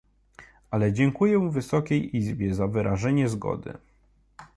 Ale dziękuję wysokiej izbie za wyrażenie zgody